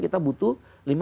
kita butuh lima enam